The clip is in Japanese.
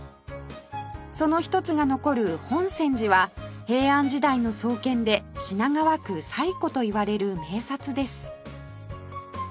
その一つが残る品川寺は平安時代の創建で品川区最古といわれる名刹です